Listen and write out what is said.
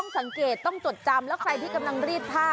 สังเกตต้องจดจำแล้วใครที่กำลังรีดผ้า